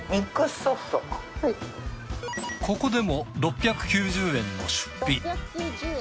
ここでも６９０円の出費。